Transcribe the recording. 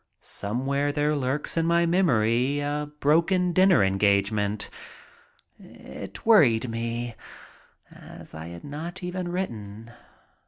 Somewhere there lurks in my memory a broken dinner engagement. It worried me, as I had not even written.